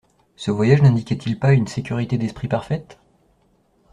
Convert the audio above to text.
Ce voyage n'indiquait-il pas une sécurité d'esprit parfaite?